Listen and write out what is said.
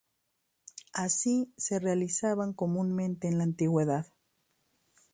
Así se realizaban comúnmente en la antigüedad.